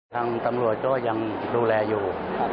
ทางตำรวจก็ยังดูแลอยู่